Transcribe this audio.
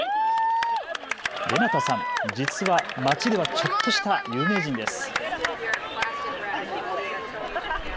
レナタさん、実は町ではちょっとした有名人です。